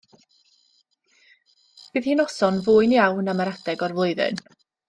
Bydd hi'n noson fwyn iawn am yr adeg o'r flwyddyn.